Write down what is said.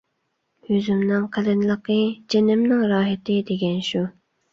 «يۈزۈمنىڭ قېلىنلىقى جېنىمنىڭ راھىتى» دېگەن شۇ.